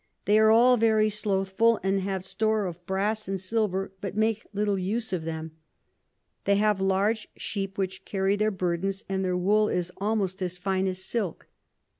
They are all very slothful, and have store of Brass and Silver, but make little use of them. They have large Sheep which carry their Burdens, and their Wool is almost as fine as Silk.